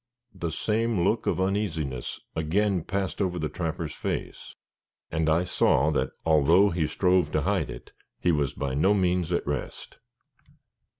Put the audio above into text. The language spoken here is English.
The same look of uneasiness again passed over the trapper's face; and I saw that although he strove to hide it, he was by no means at rest.